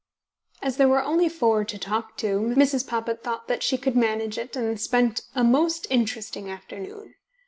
As there were only four to talk to, Mrs. Poppit thought that she could manage it, and spent a most interesting afternoon.